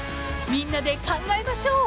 ［みんなで考えましょう］